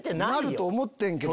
なると思ってんけどな。